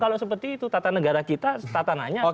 kalau seperti itu tata negara kita tata nanya